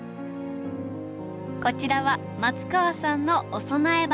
こちらは松川さんのお供え花。